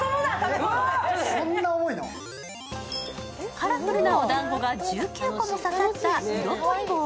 カラフルなおだんごが１９個も刺さったイロトリ棒。